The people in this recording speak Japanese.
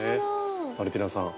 マルティナさん。